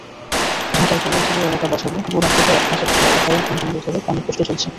ঢাকার পূর্বাঞ্চলীয় এলাকা বাসাবো, গোড়ানসহ আশপাশের এলাকায়ও দিন পনেরো ধরে পানির কষ্ট চলছে।